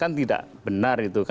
kan tidak benar itu